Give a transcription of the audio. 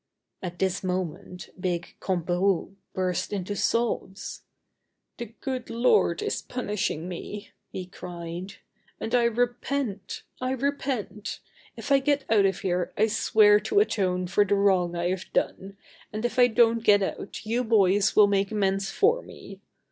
At this moment big Comperou burnt into sobs. "The good Lord is punishing me," he cried, "and I repent! I repent! If I get out of here I swear to atone for the wrong I have done, and if I don't get out you boys will make amends for me.